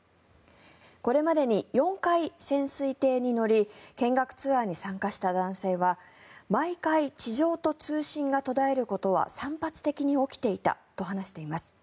これまでに４回、潜水艇に乗り見学ツアーに参加した男性は毎回、地上と通信が途絶えることは散発的に起きていたと話しています。